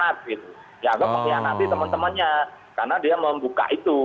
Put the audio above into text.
dianggap pengkhianati temen temennya karena dia mau buka itu